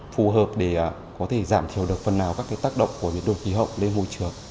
phù hợp để có thể giảm thiểu được phần nào các tác động của biến đổi khí hậu lên môi trường